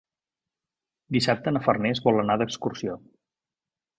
Dissabte na Farners vol anar d'excursió.